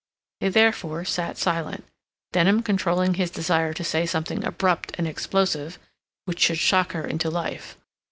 They therefore sat silent, Denham controlling his desire to say something abrupt and explosive, which should shock her into life.